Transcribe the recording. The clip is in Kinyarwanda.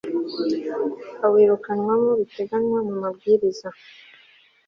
awirukanwamo biteganywa mu mabwiriza